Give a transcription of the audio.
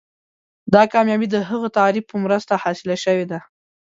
دا کامیابي د هغه تعریف په مرسته حاصله شوې ده.